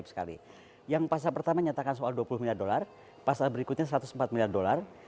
sekali yang pasal pertama nyatakan soal dua puluh miliar dolar pasal berikutnya satu ratus empat miliar dolar